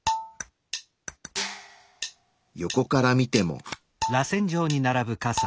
横から見ても。